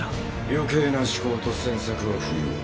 余計な思考と詮索は不要。